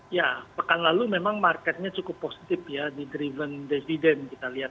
ya pekan lalu memang marketnya cukup positif ya di driven dividend kita lihat